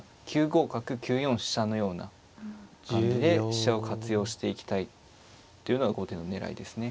９五角９四飛車のような感じで飛車を活用していきたいというのは後手の狙いですね。